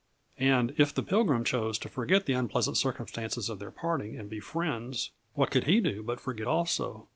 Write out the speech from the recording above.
And if the Pilgrim chose to forget the unpleasant circumstances of their parting and be friends, what could he do but forget also?